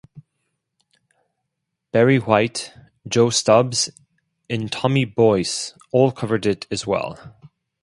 Barry White, Joe Stubbs and Tommy Boyce all covered it as well.